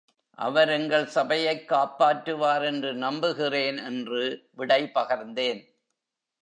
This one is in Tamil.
அவர் எங்கள் சபையைக் காப்பாற்றுவார் என்று நம்புகிறேன் என்று விடை பகர்ந்தேன்.